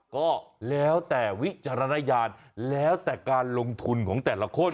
ก็แล้วแต่วิจารณญาณแล้วแต่การลงทุนของแต่ละคน